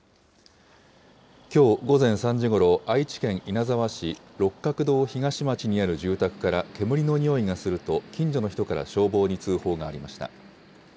きょう午前３時ごろ、愛知県稲沢市六角堂東町にある住宅から煙のにおいがすると、近所の人から消防に通報がありました。